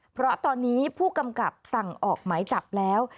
เพราะตอนนี้ผู้กำกับสั่งออกหมายจับแล้ว